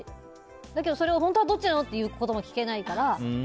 だけど、それは本当はどっちなの？とも聞けないから。